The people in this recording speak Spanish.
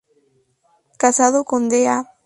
Casado con Da.